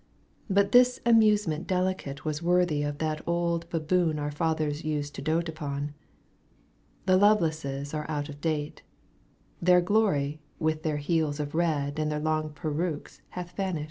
But this amusement deKcate Was worthy of that old baboon Our fathers used to dote upon ; The Lovelaces are out of date, Their glory with their heels of red And long perukes hath vanished.